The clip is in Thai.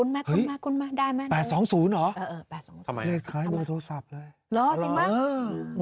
เฮ้ย๘๒๐เหรอเรียกคล้ายเบอร์โทรศัพท์เลยหรอสิม่ะโอ้โห